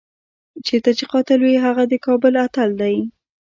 چېرته چې قاتل وي هغه د کابل اتل دی.